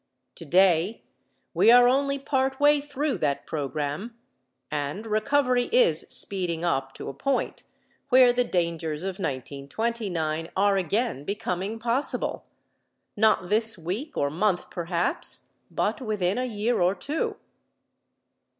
Today we are only part way through that program and recovery is speeding up to a point where the dangers of 1929 are again becoming possible, not this week or month perhaps, but within a year or two.